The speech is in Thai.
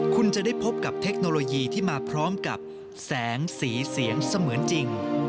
คุณจะได้พบกับเทคโนโลยีที่มาพร้อมกับแสงสีเสียงเสมือนจริง